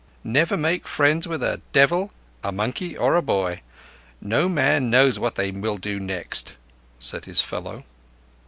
"Never make friends with the Devil, a Monkey, or a Boy. No man knows what they will do next," said his fellow.